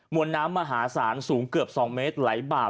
วนน้ำมหาศาลสูงเกือบ๒เมตรไหลบาก